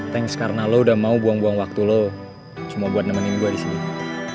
thanks karena lo udah mau buang buang waktu lo cuma buat nemenin gue disini